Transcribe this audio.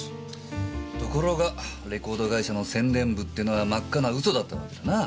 ところがレコード会社の宣伝部ってのは真っ赤な嘘だったわけだな。